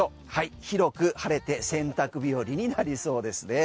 広く晴れて洗濯日和になりそうですね。